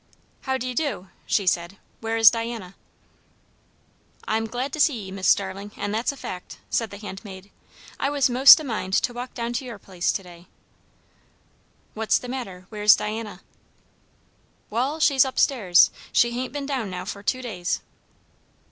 "How d'ye do," said she. "Where is Diana?" "I'm glad to see ye, Mis' Starling, and that's a fact," said the handmaid. "I was 'most a mind to walk down to your place to day." "What's the matter? Where's Diana?" "Wall, she's up stairs. She hain't been down now for two days."